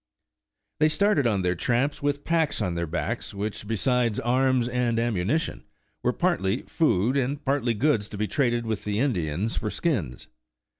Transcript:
They started on their tramps with packs on their backs, which besides arms and ammunition, were partly 94 Traversing the Wilderness food and partly goods to be traded with the Indians for skins.